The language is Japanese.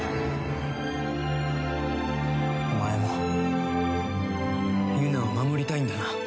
お前もユナを守りたいんだな。